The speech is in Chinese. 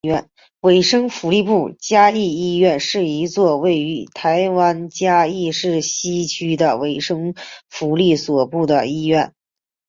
卫生福利部嘉义医院是一所位于台湾嘉义市西区的卫生福利部所属医院。